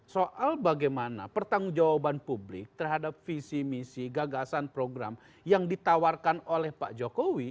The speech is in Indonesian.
soal bagaimana pertanggung jawaban publik terhadap visi misi gagasan program yang ditawarkan oleh pak jokowi